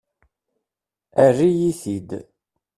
Err-iyi-t-id!